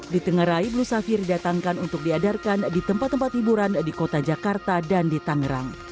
ditenggerai blue saphir didatangkan untuk diadarkan di tempat tempat hiburan di kota jakarta dan di tangerang